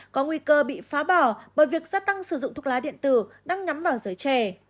có nguy cơ bị phá bỏ bởi việc gia tăng sử dụng thuốc lá điện tử đang nhắm vào giới trẻ